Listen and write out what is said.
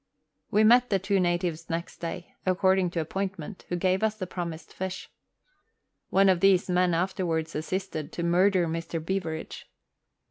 We met the two natives next day, according to appointment, who gave us the promised fish. One of these men afterwards assisted ta murder Mr. Beveridge.